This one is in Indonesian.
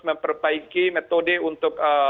memperbaiki metode untuk